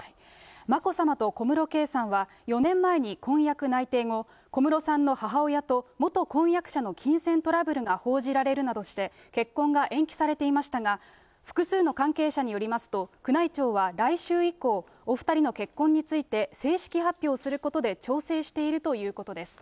眞子さまと小室圭さんは４年前に婚約内定後、小室さんの母親と、元婚約者の金銭トラブルが報じられるなどして、結婚が延期されていましたが、複数の関係者によりますと、宮内庁は来週以降、お２人の結婚について正式発表することで調整しているということです。